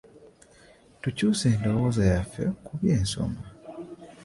Tukyuse endowooza yaffe ku by'ensoma.